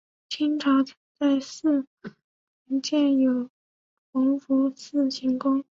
清朝曾在寺旁建有隆福寺行宫。